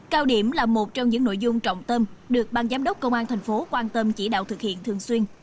cao điểm là một trong những nội dung trọng tâm được ban giám đốc công an tp hcm chỉ đạo thực hiện thường xuyên